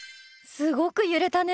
すごく揺れたね。